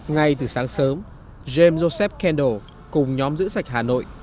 ngay từ sáng sớm james joseph kendal cùng nhóm giữ sạch hà nội